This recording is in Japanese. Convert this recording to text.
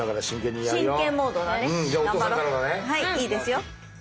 はいいいですよ！